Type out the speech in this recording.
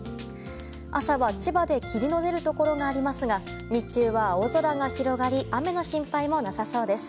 朝は、千葉で霧の出るところがありますが日中は青空が広がり雨の心配もなさそうです。